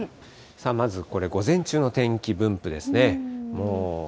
まずこれ、午前中の天気分布ですね。